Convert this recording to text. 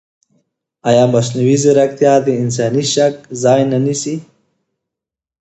ایا مصنوعي ځیرکتیا د انساني شک ځای نه نیسي؟